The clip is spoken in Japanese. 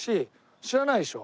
知らないでしょ？